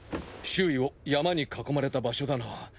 周囲を山に囲まれた場所だな。